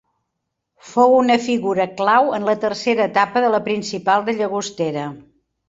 Fou una figura clau en la tercera etapa de La Principal de Llagostera.